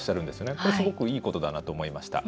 これ、すごくいいことだなと思いました。